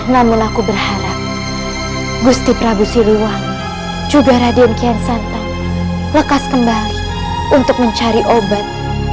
namun aku berharap gusti prabu siliwang juga raden kiansantang lekas kembali untuk mencari obat